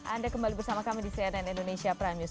anda kembali bersama kami di cnn indonesia prime news